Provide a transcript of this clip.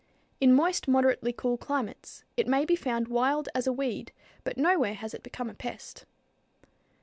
In moist, moderately cool climates, it may be found wild as a weed, but nowhere has it become a pest.